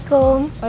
ini yang gue lakuin